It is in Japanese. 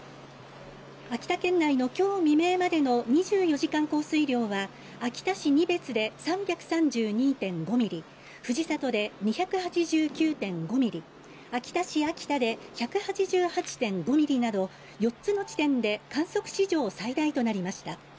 秋田県内の今日未明までの２４時間降水量は秋田市仁別で３３２．５ミリ藤里で２８９．５ミリ、秋田市秋田で１８８．５ミリなど４つの地点で観測史上最大となりました。